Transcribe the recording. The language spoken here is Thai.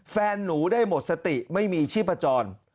แฟนหนูได้หมดสติไม่มีชีพจร